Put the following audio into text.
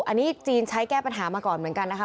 อันนี้หรือว่าที่ใช้แก้ปัญหาก่อนเหมือนกันนะครับ